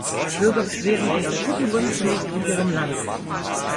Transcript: Bürger beschweren sich aus guten Gründen, zunächst in ihrem Land.